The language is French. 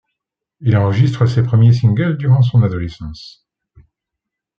Il enregistre ses premiers singles durant son adolescence.